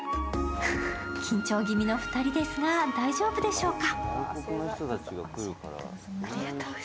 緊張ぎみの２人ですが、大丈夫でしょうか？